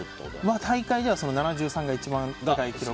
大会では７３が一番高い記録。